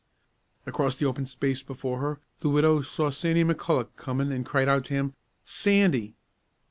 Across the open space before her, the widow saw Sandy McCulloch coming, and cried out to him, "Sandy!"